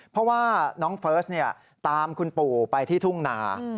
เพราะว่าน้องเฟิร์สตามคุณปู่ไปที่ทุ่งนา